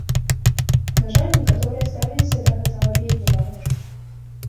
На жаль, некаторыя ставіліся да гэтага вельмі варожа.